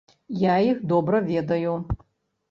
Я іх добра ведаю.